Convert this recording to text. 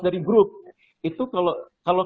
dari grup itu kalau